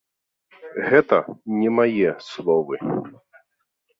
Гэта не мае словы.